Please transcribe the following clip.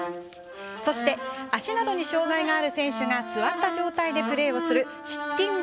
そして足などに障がいがある選手が座った状態でプレーするシッティング